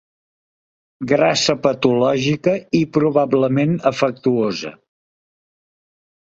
Grassa patològica i probablement afectuosa.